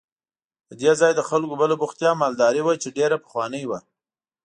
د دې ځای د خلکو بله بوختیا مالداري وه چې ډېره پخوانۍ وه.